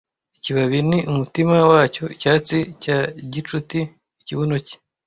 ikibabi ni umutima wacyo icyatsi cya gicuti ikibuno cye